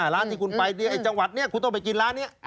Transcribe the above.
ร้านที่คุณไปจังหวัดนี้คุณต้องไปกินร้านนี้